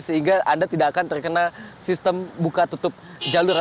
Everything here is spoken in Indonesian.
sehingga anda tidak akan terkena sistem buka tutup jalur